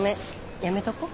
やめとこう。